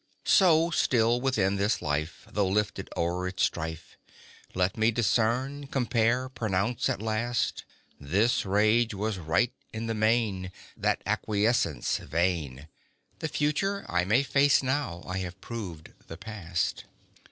So, still within this life, Though lifted o'er its strife, Let me discern, compare, pronounce at last, "This rage was right i' the main, That acquiescence vain: The Future I may face now I have proved the Past."